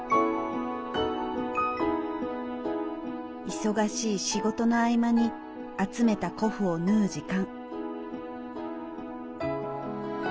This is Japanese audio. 忙しい仕事の合間に集めた古布を縫う時間。